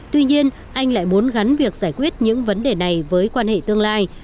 tuy nhiên anh lại muốn gắn việc giải quyết những vấn đề này với quan hệ tương lai